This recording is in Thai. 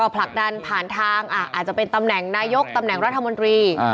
ผลักดันผ่านทางอาจจะเป็นตำแหน่งนายกตำแหน่งรัฐมนตรี